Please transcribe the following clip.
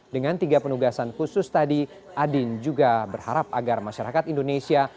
dengan tiga penugasan khusus tadi adin juga berharap agar masyarakat indonesia